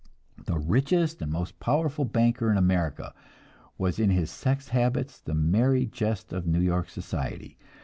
The richest and most powerful banker in America was in his sex habits the merry jest of New York society.